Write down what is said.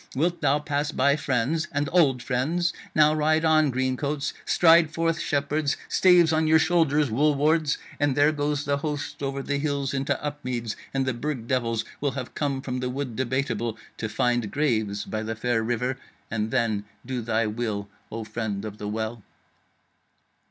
Wilt thou pass by friends, and old friends? Now ride on, Green Coats! stride forth, Shepherds! staves on your shoulders, Wool wards! and there goes the host over the hills into Upmeads, and the Burg devils will have come from the Wood Debateable to find graves by the fair river. And then do thy will, O Friend of the Well.'"